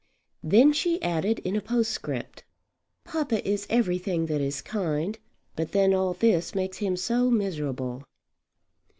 Then she added in a postscript "Papa is everything that is kind; but then all this makes him so miserable!"